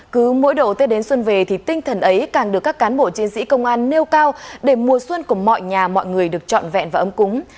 cứ mỗi độ tết đến xuân về thì tinh thần ấy càng được các cán bộ chiến sĩ công an nêu cao để mùa xuân của mọi nhà mọi người được trọn vẹn và ấm cúng